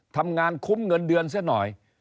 ทำงานคุ้มเงินเดือนซะหน่อย